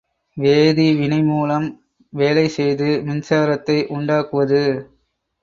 வேதி வினைமூலம் வேலை செய்து மின்சாரத்தை உண்டாக்குவது.